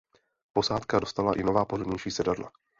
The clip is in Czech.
Posádka dostala i nová pohodlnější sedadla.